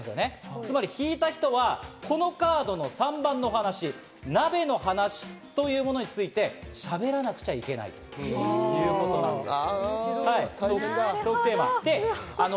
つまり引いた人は、このカードの３番の話、鍋の話というものについてしゃべらなくちゃいけないということなんです。